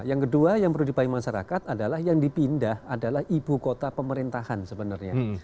yang kedua yang perlu dipahami masyarakat adalah yang dipindah adalah ibu kota pemerintahan sebenarnya